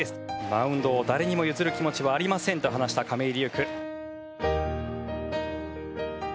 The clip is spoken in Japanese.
マウンドを誰にも譲る気持ちはありませんと話した亀井颯玖。